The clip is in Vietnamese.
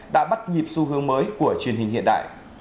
đã bắt nhịp xu hướng mới của truyền hình hiện đại